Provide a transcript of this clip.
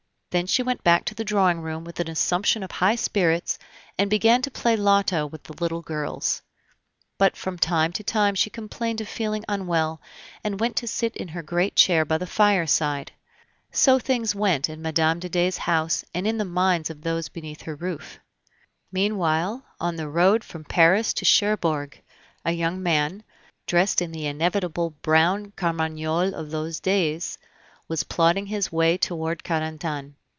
Then she went back to the drawing room with an assumption of high spirits, and began to play at loto with the little girls. But from time to time she complained of feeling unwell, and went to sit in her great chair by the fireside. So things went in Mme. de Dey's house and in the minds of those beneath her roof. Meanwhile, on the road from Paris to Cherbourg, a young man, dressed in the inevitable brown carmagnole of those days, was plodding his way toward Carentan.